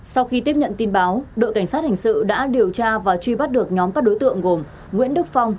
sau khi tiếp nhận tin báo đội cảnh sát hình sự đã điều tra và truy bắt được nhóm các đối tượng gồm nguyễn đức phong